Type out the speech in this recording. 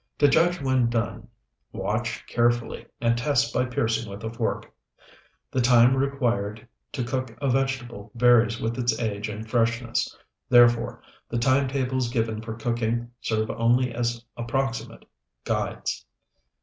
To judge when done, watch carefully, and test by piercing with a fork. The time required to cook a vegetable varies with its age and freshness; therefore, the time tables given for cooking serve only as approximate guides.